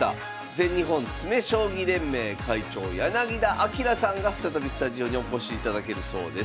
全日本詰将棋連盟会長柳田明さんが再びスタジオに起こしいただけるそうです。